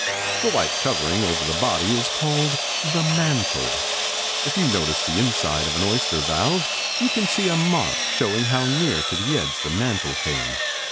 The white covering over the body is called the 'mantle'. If you notice the inside of an oyster valve, you can see a mark showing how near to the edge the mantle came.